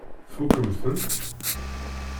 Tfukkemt-ten?